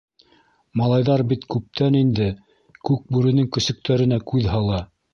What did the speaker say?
Малайҙар бит күптән инде Күкбүренең көсөктәренә күҙ һала.